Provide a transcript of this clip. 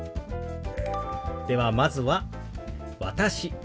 ではまずは「私」。